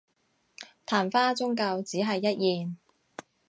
曇花終究只係一現